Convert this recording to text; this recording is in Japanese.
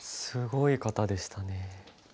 すごい方でしたね。